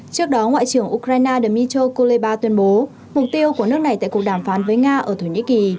trước đó ngoại trưởng ukraine dmitr koleba tuyên bố mục tiêu của nước này tại cuộc đàm phán với nga ở thổ nhĩ kỳ